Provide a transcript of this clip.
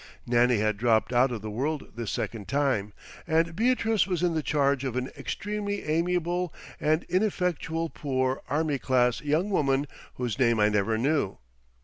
Nannie had dropped out of the world this second time, and Beatrice was in the charge of an extremely amiable and ineffectual poor army class young woman whose name I never knew.